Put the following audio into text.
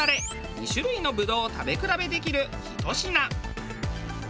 ２種類のぶどうを食べ比べできるひと品。